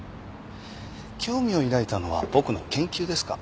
興味を抱いたのは僕の研究ですか？